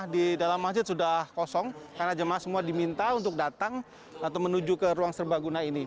di dalam masjid sudah kosong karena jemaah semua diminta untuk datang atau menuju ke ruang serbaguna ini